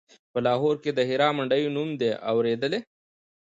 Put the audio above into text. په لاهور کښې د هيرا منډيي نوم دې اورېدلى.